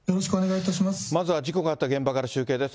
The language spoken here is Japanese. まずは事故があった現場から中継です。